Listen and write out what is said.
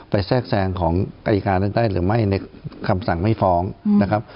แทรกแซงของอายการนั้นได้หรือไม่ในคำสั่งไม่ฟ้องนะครับ